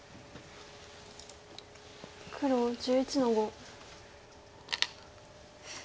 黒１１の五。